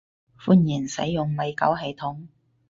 歡迎使用米狗系統